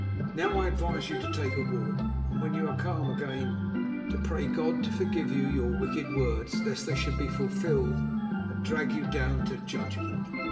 Now I advise you to take a walk, and when you are calm again, to pray God to forgive you your wicked words, lest they should be fulfilled and drag you down to judgment."